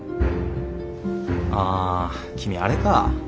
あ君あれか。